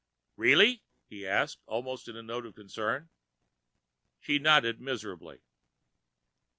"Really?" he asked, almost with a note of concern. She nodded miserably.